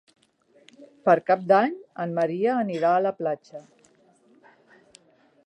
Per Cap d'Any en Maria anirà a la platja.